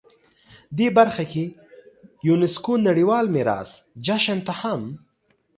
دې برخه کې یونسکو نړیوال میراث جشن ته هم